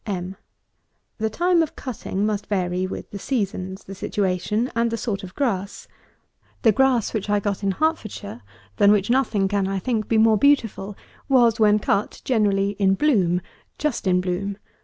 M. The time of cutting must vary with the seasons, the situation, and the sort of grass. The grass which I got in Hertfordshire, than which nothing can, I think, be more beautiful, was, when cut, generally in bloom; just in bloom.